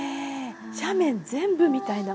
斜面全部みたいな。